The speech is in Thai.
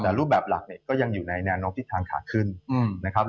แต่รูปแบบหลักก็ยังอยู่ในนอกทิศทางขาดขึ้นนะครับ